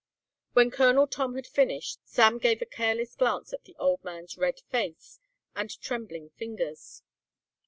When Colonel Tom had finished Sam gave a careless glance at the old man's red face and trembling fingers.